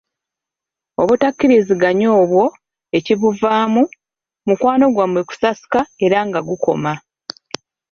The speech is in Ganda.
Obutakkiriziganya obwo, ekibuvaamu, mukwano gwammwe kusasika era nga gukoma.